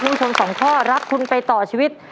ผู้ชม๒ข้อรักคุณไปต่อชีวิต